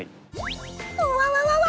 うわわわわ。